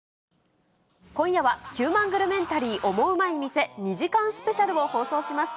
今夜は、ヒューマングルメンタリーオモウマい店２時間スペシャルを放送します。